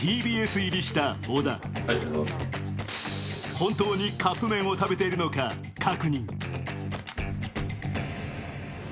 本当にカップ麺を食べているのか確認。